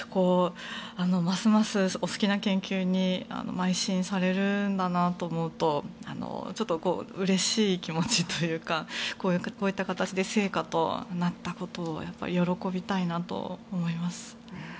ますます、お好きな研究にまい進されるんだなと思うとちょっとうれしい気持ちというかこういった形で成果となったことを喜びたいなと思います。